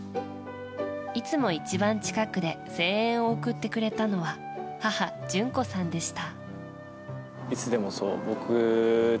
いつも一番近くで声援を送ってくれたのは母・淳子さんでした。